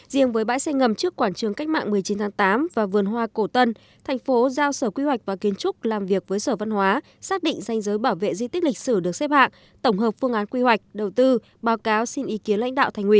riêng với bãi xe ngầm trước quảng trường cách mạng một mươi chín tháng tám và vườn hoa cổ tân thành phố giao sở quy hoạch và kiến trúc làm việc với sở văn hóa xác định danh giới bảo vệ di tích lịch sử được xếp hạng tổng hợp phương án quy hoạch đầu tư báo cáo xin ý kiến lãnh đạo thành ủy